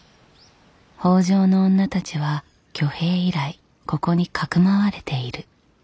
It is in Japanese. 北条の女たちは挙兵以来ここに匿われている。